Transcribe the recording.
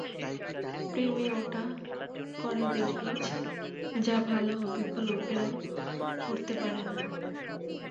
প্রেমে ওটা করে দেখিয়েছে যা ভালো অভিজ্ঞ লোকেরাও করতে পারে না।